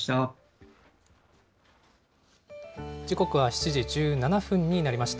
時刻は７時１７分になりました。